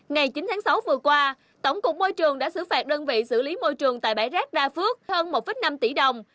ngày chín tháng sáu vừa qua tổng cục môi trường đã xử phạt đơn vị xử lý môi trường tại bãi rác đa phước hơn một năm tỷ đồng